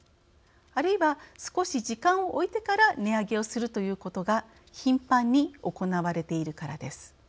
あるいは少し時間を置いてから値上げをするということが頻繁に行われているからです。